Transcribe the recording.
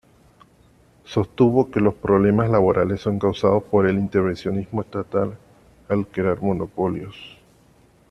Sostuvo que los problemas laborales son causados por el intervencionismo estatal al crear monopolios.